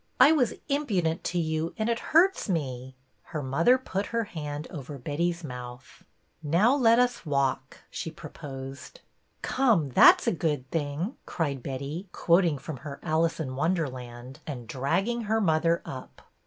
I was impudent to you and it hurts me —" Her mother put her hand over Betty's mouth. Now, let us walk," she proposed. ^ Come, that a good thing,' " cried Betty, quoting from her Alice in Wonderland," and MERRYLEGS 39 dragging her mother up.